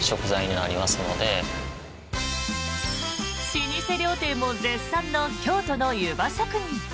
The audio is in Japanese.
老舗料亭も絶賛の京都の湯葉職人。